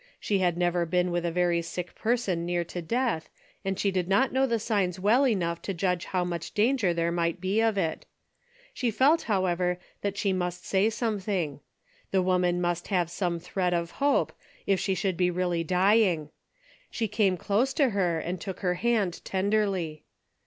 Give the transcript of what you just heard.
She had never been with a very sick person near to death, and she did not know the signs well enough to judge how much danger there might be of it. She felt however that she must say something. The woman must have some thread of hope, if she should be really dying. She c»me close to her and took her hand tenderly.